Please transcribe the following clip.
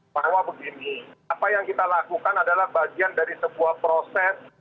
bahwa begini apa yang kita lakukan adalah bagian dari sebuah proses